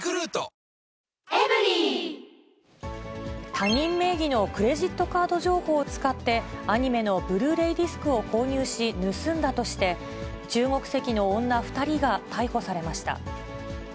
他人名義のクレジットカード情報を使ってアニメのブルーレイディスクを購入し、盗んだとして、中国籍の女２人が逮捕されました。